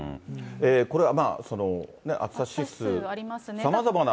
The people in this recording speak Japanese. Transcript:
これは暑さ指数、さまざまな。